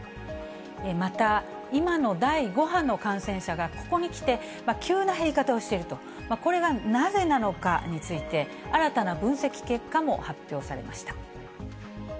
また、今の第５波の感染者がここに来て急な減り方をしていると、これがなぜなのかについて、新たな分析結果も発表されました。